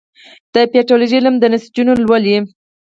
د پیتالوژي علم د نسجونه لولي.